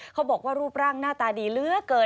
เขาบอกว่ารูปร่างหน้าตาดีเหลือเกิน